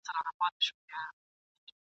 اوس هغه خلک هم لوڅي پښې روان دي !.